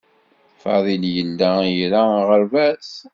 Fadil yella ira aɣerbaz.